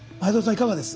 いかがです？